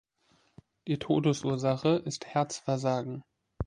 Die Todesursache ist Herzversagen.